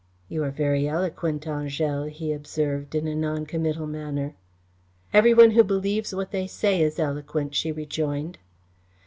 "You are very eloquent, Angèle," he observed in a noncommittal manner. "Every one who believes what they say is eloquent," she rejoined.